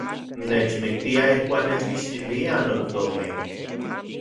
Nechmiktiaj ijkuak nechkixtiliaj notomin.